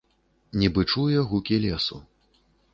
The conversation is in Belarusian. Нібы чуе гукі лесу.